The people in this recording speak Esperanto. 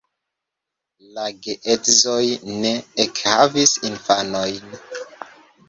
La geedzoj ne ekhavis infanojn.